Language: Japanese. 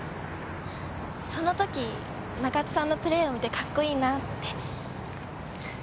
そのとき中津さんのプレーを見てカッコイイなって。